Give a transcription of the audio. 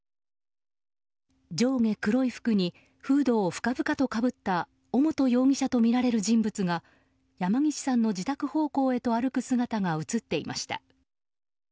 上下黒い服にフードを深々とかぶった尾本容疑者とみられる人物が山岸さんの自宅方向へと歩く姿が映っていました。